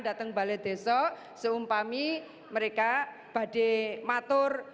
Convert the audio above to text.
datang balai desa seumpama mereka berlatih matur